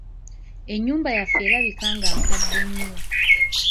Ennyumba yaffe erabikira nga nkadde nnyo.